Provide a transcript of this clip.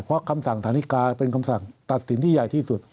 เพราะคำสั่งฐานิกาเป็นคำสั่งตัดสินที่ใหญ่ที่สุด